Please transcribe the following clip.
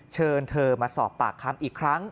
เชิญเธอมาสอบปากคำอีกครั้ง